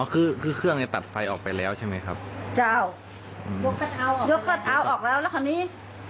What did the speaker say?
อ๋อคือคือเครื่องนี้ตัดไฟออกไปแล้วใช่ไหมครับจะเอาเอาออกแล้วแล้วคราวนี้